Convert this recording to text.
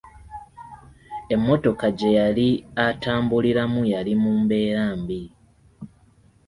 Emmotoka gye yali atambuliramu yali mu mbeera mbi.